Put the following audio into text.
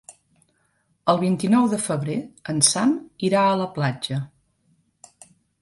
El vint-i-nou de febrer en Sam irà a la platja.